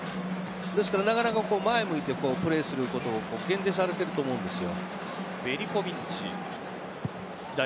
なかなか前向いてプレーすることを限定されていると思うんですよ。